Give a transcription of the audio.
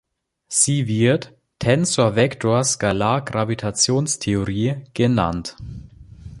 Sie wird Tensor-Vektor-Skalar-Gravitationstheorie genannt.